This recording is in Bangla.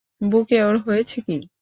বুকে ওর হয়েছে কী?